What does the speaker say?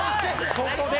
ここで。